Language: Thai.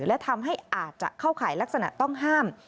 และทำให้อาจจะเข้าข่ายลักษณะต้องห้าม